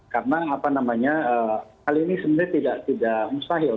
karena hal ini sebenarnya tidak mustahil